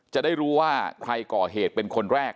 จะได้รู้ว่าใครก่อเหตุเป็นคนแรก